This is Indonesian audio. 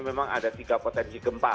memang ada tiga potensi gempa